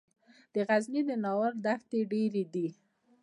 د غزني د ناور دښتې ډیرې دي